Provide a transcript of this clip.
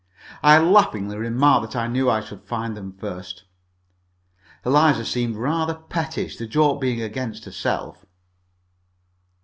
I laughingly remarked that I knew I should find them first. Eliza seemed rather pettish, the joke being against herself.